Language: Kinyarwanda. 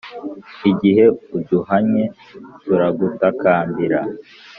igihe uduhannye turagutakambira.